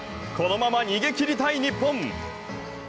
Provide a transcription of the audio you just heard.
このまま逃げ切りたい日本。